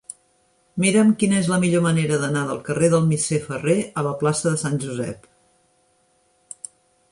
Mira'm quina és la millor manera d'anar del carrer del Misser Ferrer a la plaça de Sant Josep.